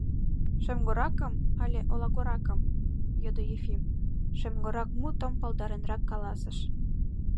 — Шемгоракым але олагоракым? — йодо Ефим, «шемгорак» мутым палдаренрак каласыш.